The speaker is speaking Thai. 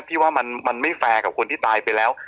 ที่ว่ามันไม่แฟร์กับคนที่ตายไปแล้ว